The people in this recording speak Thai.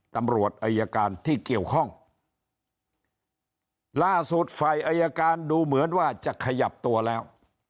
ตำรวจอายการที่เกี่ยวข้องล่าสุดฝ่ายอายการดูเหมือนว่าจะขยับตัวแล้ว